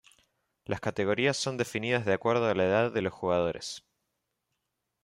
Las categorías son definidas de acuerdo a la edad de los jugadores.